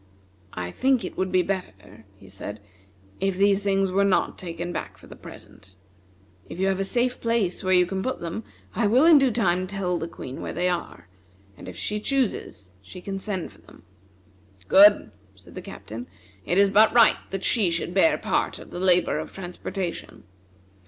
"I think it would be better," he said, "if these things were not taken back for the present. If you have a safe place where you can put them, I will in due time tell the Queen where they are, and if she chooses she can send for them." "Good!" said the Captain, "it is but right that she should bear part of the labor of transportation.